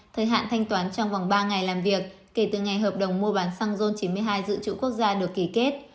thời hạn thanh toán trong vòng ba ngày làm việc kể từ ngày hợp đồng mua bán sang rôn chín mươi hai dự trữ quốc gia được kỳ kết